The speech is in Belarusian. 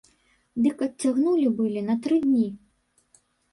Дык адцягнулі былі на тры дні.